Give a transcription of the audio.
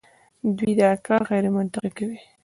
دوی دا کار غیرمنطقي کوي.